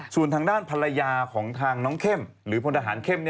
ส่วนทางด้านภรรยาของทางน้องเข้มหรือพลทหารเข้ม